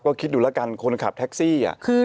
ก็คิดดูแล้วกันคนขับแท็กซี่